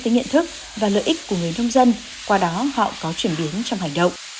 tới nhận thức và lợi ích của người nông dân qua đó họ có chuyển biến trong hành động